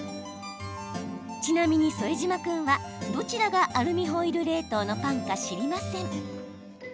ちなみに副島君は、どちらがアルミホイル冷凍のパンか知りません。